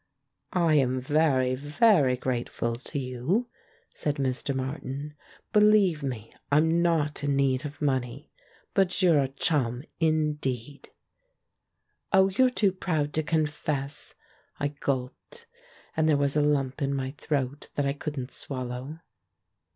"I am very, very grateful to you," said Mr. Martin. "Believe me, I'm not in need of money. But you're a chum, indeed." "Oh, you're too proud to confess," I gulped — and there was a lump in my throat that I couldn't swallow.